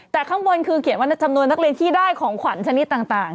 แต่ข้างบนคือเขียนว่าจำนวนนักเรียนที่ได้ของขวัญชนิดต่าง